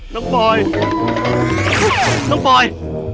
น้องปลอยน้องปลอย